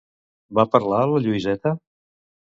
Va parlar la Lluïseta?